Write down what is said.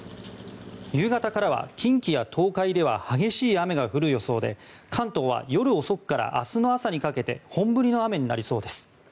夕方からは近畿や東海では激しい雨が降る予想で関東は夜遅くから明日の朝にかけて本降りの雨になりそうです。